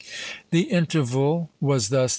The interval was thus 13.